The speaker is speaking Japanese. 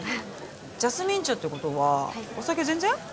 ジャスミン茶ってことはお酒全然？